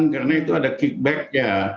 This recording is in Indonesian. karena itu ada kickback nya